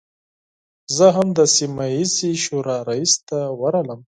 زه هم د سیمه ییزې شورا رئیس ته ورغلم.